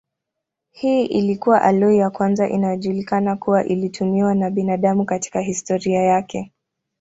Hii ilikuwa aloi ya kwanza inayojulikana kuwa ilitumiwa na binadamu katika historia yake.